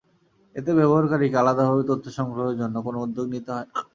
এতে ব্যবহারকারীকে আলাদাভাবে তথ্য সংগ্রহের জন্য কোনো উদ্যোগ নিতে হয় না।